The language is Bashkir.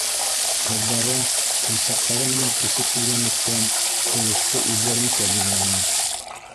Ҡыҙҙары, ҡурсаҡтары менән күсеп килгәнлектән, ҡыуышты үҙҙәренсә биҙәгән.